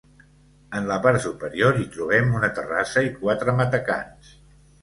En la part superior hi trobem una terrassa i quatre matacans.